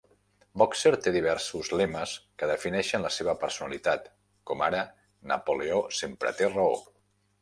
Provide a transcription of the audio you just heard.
Boxer té diversos lemes que defineixen la seva personalitat, com ara: Napoleó sempre te raó.